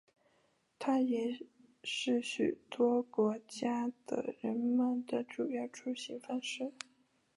它也是许多国家的人们的主要出行方式。